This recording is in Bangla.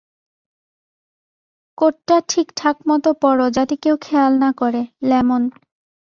কোটটা ঠিকঠাক মতো পরো যাতে কেউ খেয়াল না করে, লেমন।